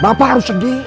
bapak harus sedih